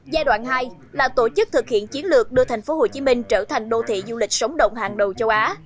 giai đoạn hai là tổ chức thực hiện chiến lược đưa tp hcm trở thành đô thị du lịch sống động hàng đầu châu á